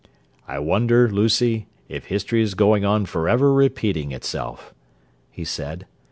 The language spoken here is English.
"I wonder, Lucy, if history's going on forever repeating itself," he said.